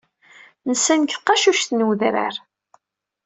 Nsan deg tqacuct n udrar.